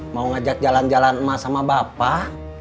mau ngajak jalan jalan emas sama bapak